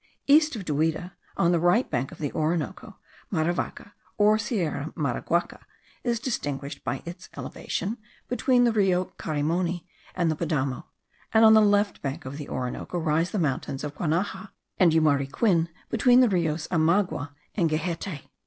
East of Duida, on the right bank of the Orinoco, Maravaca, or Sierra Maraguaca, is distinguished by its elevation, between the Rio Caurimoni and the Padamo; and on the left bank of the Orinoco rise the mountains of Guanaja and Yumariquin, between the Rios Amaguaca and Gehette.